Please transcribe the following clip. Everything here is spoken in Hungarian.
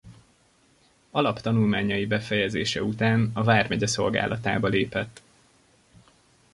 Alap tanulmányai befejezése után a vármegye szolgálatába lépett.